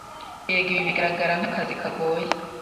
Yego ibi bigaragara nk’akazi kagoye,